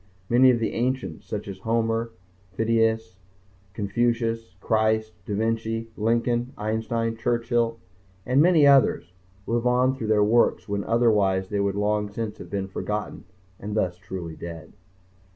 Many of the ancients such as Homer, Phidias, Confucius, Christ, da Vinci, Lincoln, Einstein, Churchill and many others live on through their works when otherwise they would long since have been forgotten and thus be truly dead.